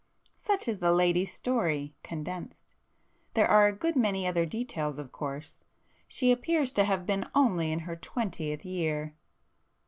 Such is the lady's [p 451] story,—condensed;—there are a good many other details of course. She appears to have been only in her twentieth year.